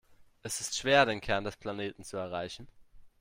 Es ist schwer, den Kern des Planeten zu erreichen.